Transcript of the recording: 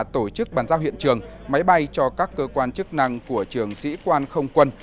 tổ chức bàn giao hiện trường máy bay cho các cơ quan chức năng của trường sĩ quan không quân